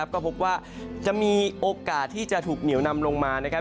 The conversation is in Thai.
ก็พบว่าจะมีโอกาสที่จะถูกเหนียวนำลงมานะครับ